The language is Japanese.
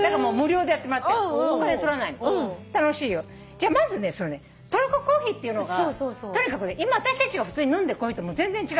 じゃあまずねトルココーヒーっていうのが今私たちが普通に飲んでるコーヒーともう全然違う。